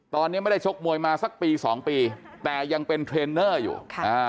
ตอนนี้ไม่ได้ชกมวยมาสักปี๒ปีแต่ยังเป็นเทรนเนอร์อยู่